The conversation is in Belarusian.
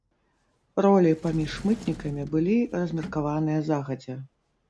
Ролі паміж мытнікамі былі размеркаваныя загадзя.